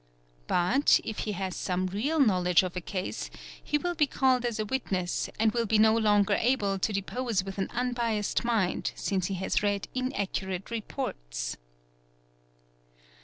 But, if he has 292 THE SPHERE OF THE PRESS some real knowledge of a case he will be called as a witness and will be no longer able to depose with an unbiased mind since he has read inaccurate — reports.